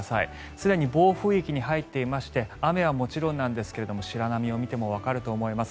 すでに暴風域に入っていまして雨はもちろんなんですが白波を見てもわかると思います。